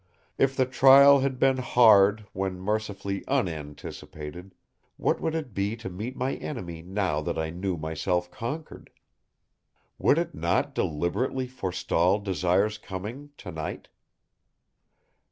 If the trial had been hard when mercifully unanticipated, what would it be to meet my enemy now that I knew myself conquered? Would It not deliberately forestall Desire's coming, tonight?